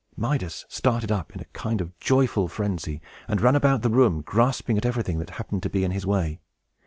Midas started up, in a kind of joyful frenzy, and ran about the room, grasping at everything that happened to be in his way.